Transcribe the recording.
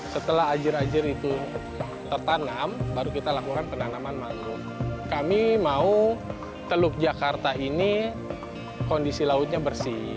setelah ajir ajir itu tertanam baru kita lakukan penanaman mangrove